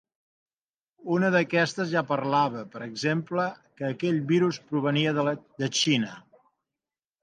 Una d'aquestes ja parlava, per exemple, que aquell virus provenia de Xina.